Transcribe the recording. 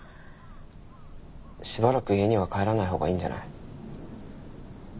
しばらく家には帰らない方がいいんじゃない？